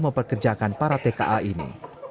memperkerjakan para tka ini